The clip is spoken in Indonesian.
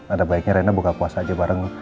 ada baiknya rena buka puasa aja bareng